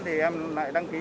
thì em lại đăng ký